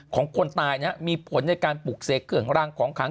คนตายมีผลในการปลูกเสกเครื่องรางของขัง